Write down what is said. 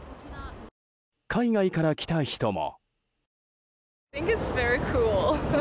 海外から来た人も。